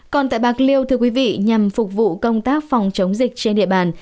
còn tại bạc liêu thưa quý vị nhằm phục vụ công tác phòng chống dịch trên địa bàn